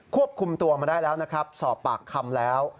ควบคุมตัวมาได้แล้วนะครับสอบปากคำแล้ว